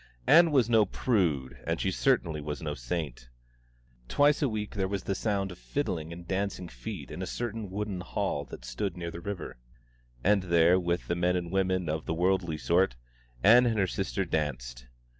Ann was no prude, and she certainly was no saint. Twice a week there was the sound of fiddling and dancing feet in a certain wooden hall that stood near the river; and there, with the men and women of the worldly sort, Ann and her sister danced.